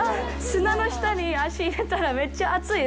砂の下に足を入れたらめっちゃ熱い。